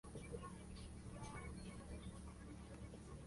Don "Pepe" Figueres fue un distinguido ensayista y escritor.